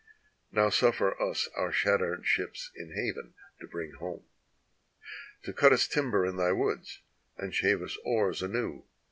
Now suffer us our shattered ships in haven to bring home, To cut us timber in thy woods, and shave us oars anew.